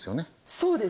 そうです。